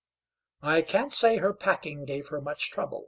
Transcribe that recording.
I can't say her packing gave her much trouble.